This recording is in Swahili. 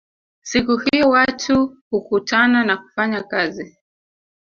Siku hiyo watu hukutana na kufanya kazi